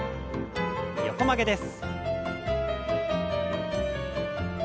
横曲げです。